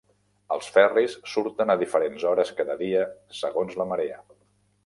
Els ferris surten a diferents hores cada dia segons la marea.